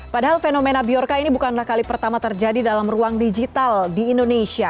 padahal fenomena biorca ini bukanlah kali pertama terjadi dalam ruang digital di indonesia